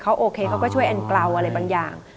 เขาโอเคเขาก็ช่วยแอนเกลาอะไรบางอย่าง